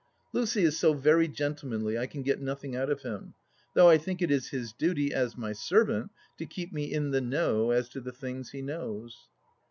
... Lucy is so very gentlemanly I can get nothing out of him, though I think it is his duty, as my servant, to keep me in " the know " as to the things he knows.